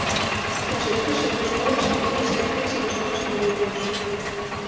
Las orejas son desnudas, pequeñas y negras y los ojos amarillos.